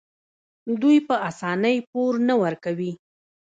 دوی په اسانۍ پور نه ورکوي.